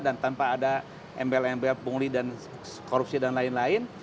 dan tanpa ada embel embel mungli dan korupsi dan lain lain